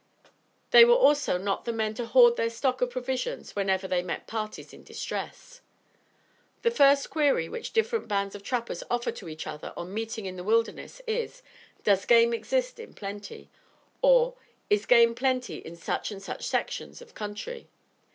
They were also not the men to hoard their stock of provisions whenever they met parties in distress. The first query which different bands of trappers offer to each other on meeting in the wilderness, is, "Does game exist in plenty," or "is game plenty in such and such sections of country?"